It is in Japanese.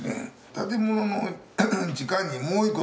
建物の地下にもう一個